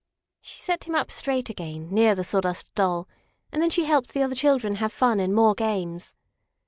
She set him up straight again, near the Sawdust Doll, and then she helped the other children have fun in more games.